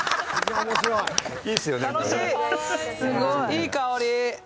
いい香り。